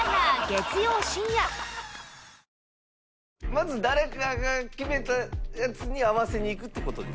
まず誰かが決めたやつに合わせにいくって事ですか？